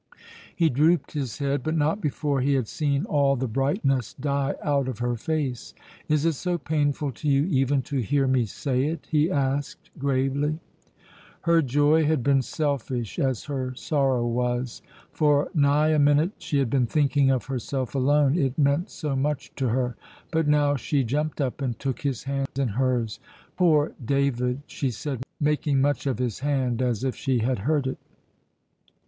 He drooped his head, but not before he had seen all the brightness die out of her face. "Is it so painful to you even to hear me say it?" he asked gravely. Her joy had been selfish as her sorrow was. For nigh a minute she had been thinking of herself alone, it meant so much to her; but now she jumped up and took his hand in hers. "Poor David!" she said, making much of his hand as if she had hurt it.